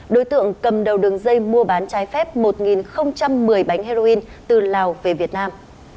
đối tượng cầm đầu đường dây mua bán trái phép một một mươi bánh heroin từ lào về việt nam